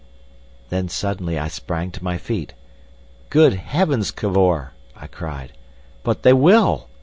Then suddenly I sprang to my feet. "Good heavens, Cavor!" I cried. "But they _will!